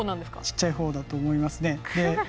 ちっちゃい方だと思いますね。